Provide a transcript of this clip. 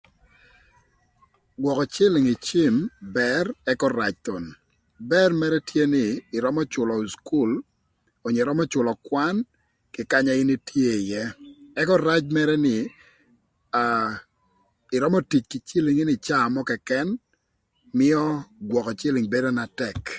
Gwökö cïlïng ï cim bër ëka rac thon. Bër mërë tye nï ïrömö cülö cukul onyo ïrömö cülö kwan kï kanya in itye ïë ëka rac mërë nï aa ïrömö tic kï cïlïngni ni ï caa mö këkën mïö gwökö cïlïng bedo na tëk